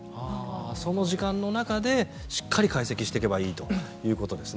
その時間の中でしっかり解析していけばいいということですね。